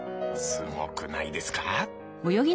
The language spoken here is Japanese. すごくないですか？